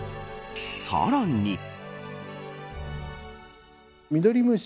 さらに。